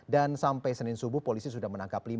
dan sampai senin subuh